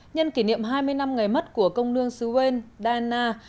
nhân kỷ niệm hai mươi năm ngày mất của công nương sưu uên đa nang